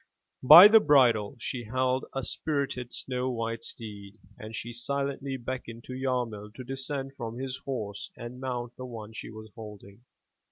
By the bridle she held a spirited, snow white steed and she silently beckoned to Yarmil to descend from his horse and mount the one she was holding.